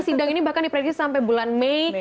sidang ini bahkan diprediksi sampai bulan mei